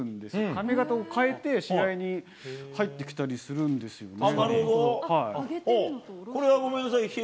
髪形を変えて試合に入ってきたりするんですよね。